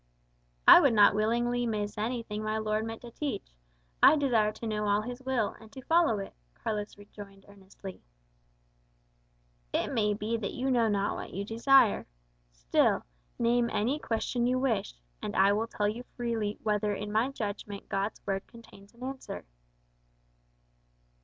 "I would not willingly miss anything my Lord meant to teach. I desire to know all his will, and to follow it," Carlos rejoined earnestly. "It may be that you know not what you desire. Still, name any question you wish; and I will tell you freely whether in my judgment God's Word contains an answer."